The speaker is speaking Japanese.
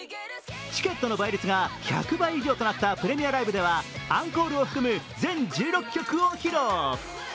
チケットの倍率が１００倍以上となったプレミアライブではアンコールを含む全１６曲を披露。